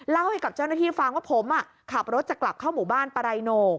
เล่าให้กับเจ้าหน้าที่ฟังว่าผมขับรถจะกลับเข้าหมู่บ้านปรายโน